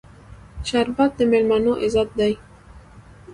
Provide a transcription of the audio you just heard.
شربت د میلمنو عزت دی